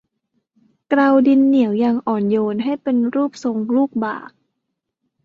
เกลาดินเหนียวอย่างอ่อนโยนให้เป็นรูปทรงลูกบาศก์